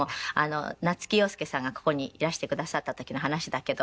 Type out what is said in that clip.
夏木陽介さんがここにいらしてくださった時の話だけど。